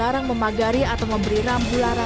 aduh ini memang terlalu berantakan